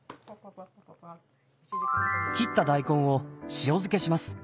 切った大根を塩漬けします。